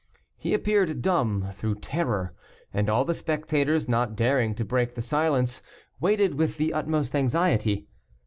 He appeared dumb through terror, and all the spectators, not daring to break the silence, waited with the utmost anxiety.